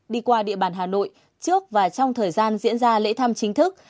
đi qua địa bàn hà nội trước và trong thời gian diễn ra lễ thăm chính thức